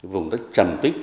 vùng đất trần tích